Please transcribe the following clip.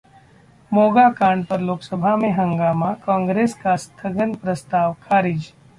मोगा कांड पर लोकसभा में हंगामा, कांग्रेस का स्थगन प्रस्ताव खारिज